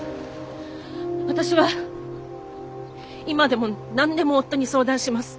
私は今でも何でも夫に相談します。